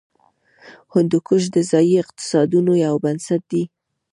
هندوکش د ځایي اقتصادونو یو بنسټ دی.